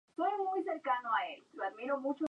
Con el nuevo sistema fue ascendido a brigadier.